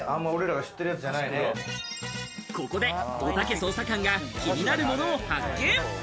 ここでおたけ捜査官が気になるものを発見。